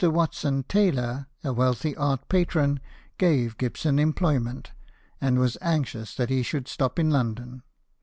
Watson Taylor, a wealthy art patron, gave Gibson employment, and was anxious that he should stop in London.